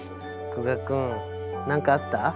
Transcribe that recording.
久我君何かあった？